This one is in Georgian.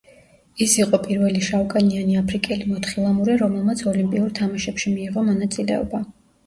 ის იყო პირველი შავკანიანი აფრიკელი მოთხილამურე, რომელმაც ოლიმპიურ თამაშებში მიიღო მონაწილეობა.